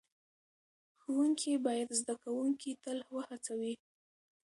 ښوونکي باید زده کوونکي تل وهڅوي.